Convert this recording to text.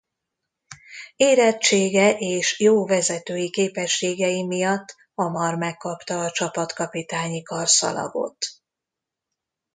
Érettsége és jó vezetői képességei miatt hamar megkapta a csapatkapitányi karszalagot.